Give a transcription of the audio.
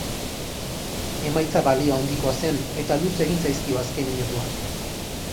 Emaitza balio handikoa zen, eta luze egin zaizkio azken minutuak.